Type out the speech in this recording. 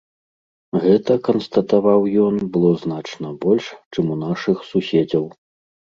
Гэта, канстатаваў ён, было значна больш, чым у нашых суседзяў.